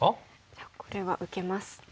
じゃあこれは受けます。